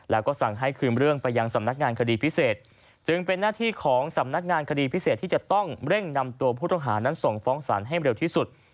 แล้วก็สั่งให้คืนเรื่องไปยังสำนักงานคดีพิเศษจึงเป็นหน้าที่ของสำนักงานคดีพิเศษที่จะต้องเร่งนำตัวผู้ต้องหานั้นส่งฟ้องสารให้เร็วที่สุด